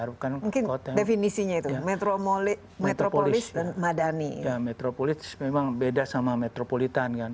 harapkan mungkin kota definisinya itu metropolis dan madani metropolis memang beda sama metropolitan